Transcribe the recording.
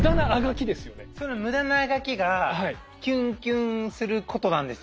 その無駄なあがきがキュンキュンすることなんですよね？